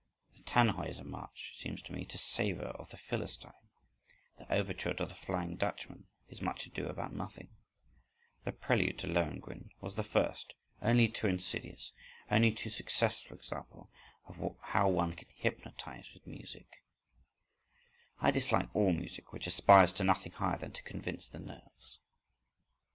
The "Tannhauser" March seems to me to savour of the Philistine; the overture to the "Flying Dutchman" is much ado about nothing; the prelude to "Lohengrin" was the first, only too insidious, only too successful example of how one can hypnotise with music (—I dislike all music which aspires to nothing higher than to convince the nerves).